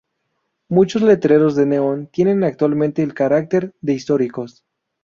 Muchos letreros de neón tienen actualmente el carácter de históricos.